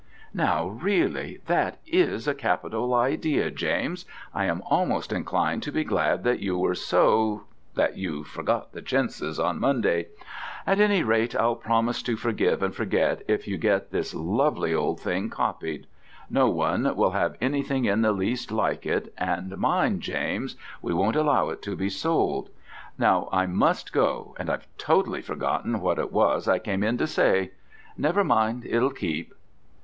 "Now, really, that is a capital idea, James. I am almost inclined to be glad that you were so that you forgot the chintzes on Monday. At any rate, I'll promise to forgive and forget if you get this lovely old thing copied. No one will have anything in the least like it, and mind, James, we won't allow it to be sold. Now I must go, and I've totally forgotten what it was I came in to say: never mind, it'll keep."